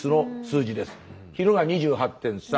昼が２８．３。